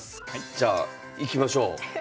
じゃあいきましょう。